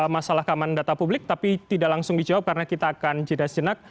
masalah keamanan data publik tapi tidak langsung dijawab karena kita akan jeda sejenak